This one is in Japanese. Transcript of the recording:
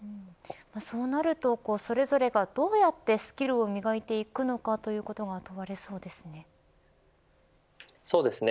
そうなるとそれぞれがどうやってスキルを磨いていくのかが問われそうですね。